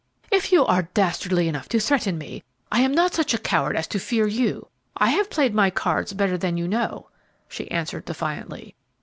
"If you are dastardly enough to threaten me, I am not such a coward as to fear you. I have played my cards better than you know," she answered, defiantly.